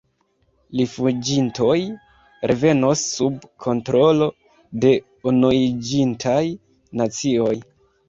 Rifuĝintoj revenos sub kontrolo de Unuiĝintaj Nacioj.